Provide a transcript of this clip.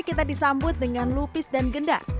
kita disambut dengan lupis dan gendang